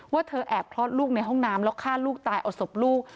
เธอแอบคลอดลูกในห้องน้ำแล้วฆ่าลูกตายเอาศพลูก